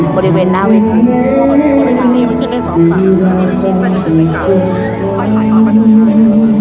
บริเวณหน้าเวทย์